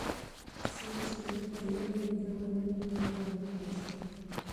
څوک چې نه تسلیمېږي، هغه نه ناکامېږي.